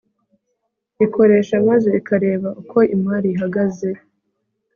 ikoresha maze ikareba uko imari ihagaze